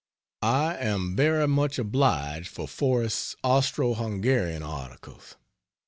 I am very much obliged for Forrest's Austro Hungarian articles.